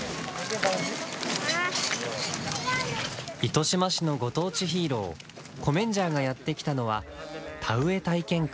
糸島市のご当地ヒーローコメンジャーがやってきたのは田植え体験会。